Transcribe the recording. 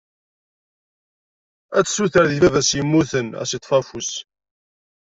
Ad tessuter deg baba-s yemmuten ad as-yeṭṭef afus.